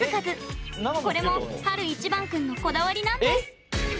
これも晴いちばん君のこだわりなんです